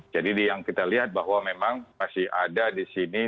jadi yang kita lihat bahwa memang masih ada di sini